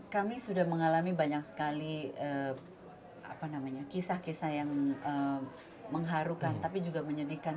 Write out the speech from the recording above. kami sudah mengalami banyak sekali kisah kisah yang mengharukan tapi juga menyedihkan